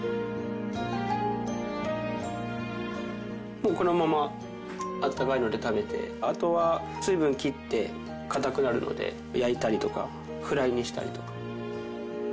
もうこのままあったかいので食べてあとは水分切って固くなるので焼いたりとかフライにしたりとか。